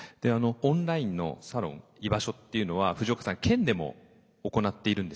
オンラインのサロン居場所っていうのは藤岡さん県でも行っているんですよね。